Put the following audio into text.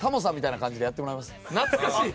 懐かしい！